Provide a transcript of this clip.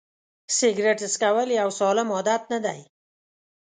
سیګرېټ څکول یو سالم عادت نه دی.